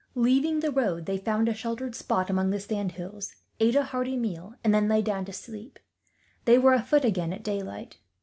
Leaving the road, they found a sheltered spot among the sand hills, ate a hearty meal, and then lay down to sleep. They were afoot again, at daylight.